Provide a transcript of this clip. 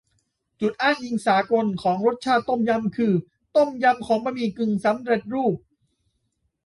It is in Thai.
จุดอ้างอิงสากลของรสชาติต้มยำ คือต้มยำของบะหมี่กึ่งสำเร็จรูป